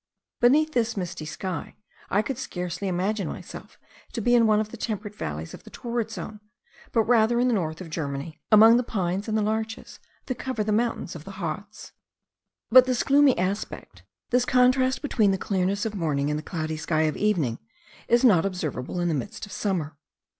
Beneath this misty sky, I could scarcely imagine myself to be in one of the temperate valleys of the torrid zone; but rather in the north of Germany, among the pines and the larches that cover the mountains of the Hartz. But this gloomy aspect, this contrast between the clearness of morning and the cloudy sky of evening, is not observable in the midst of summer.